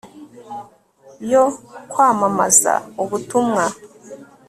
yo kwamamaza ubutumwa